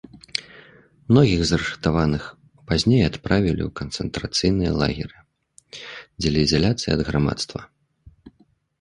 Многіх з арыштаваных пазней адправілі ў канцэнтрацыйныя лагеры дзеля ізаляцыі ад грамадства.